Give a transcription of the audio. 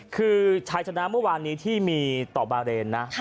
คือชายชนะเมื่อวานนี้ที่มีต่อบาเรนนะ